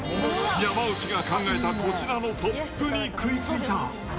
山内が考えたこちらのポップに食いついた。